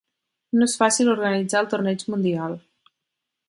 No és fàcil organitzar el torneig mundial.